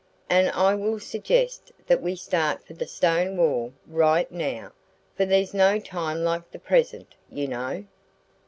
And I will suggest that we start for the stone wall right now, for there's no time like the present, you know."